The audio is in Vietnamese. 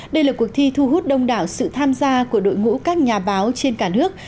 đây là cuộc thi thu hút đông đảo sự tham gia của đội ngũ các nhà báo trên cả nước